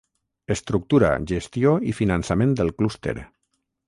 Estructura, gestió i finançament del clúster.